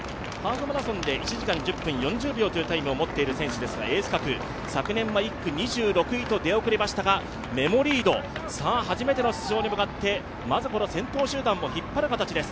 １時間１０分４０秒というタイムを持っていますがエース選手昨年は１区２６位と出遅れましたが、メモリード、初めての出場に向かって先頭集団を引っ張る形です。